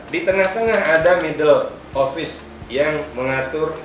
di tengah tengah ada middle office yang mengatur